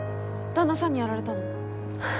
旦那さんにやられたの？